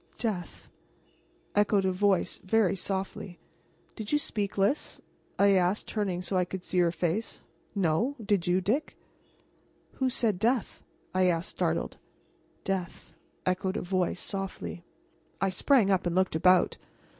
"Death," echoed a voice, very softly. "Did you speak, Lys?" I asked, turning so that I could see her face. "No; did you, Dick?" "Who said 'death'?" I asked, startled. "Death," echoed a voice, softly. I sprang up and looked about.